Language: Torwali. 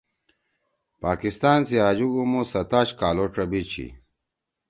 پاکستان سی آجُوک عُمُو ستاش کال او ڇبیِݜ چھی۔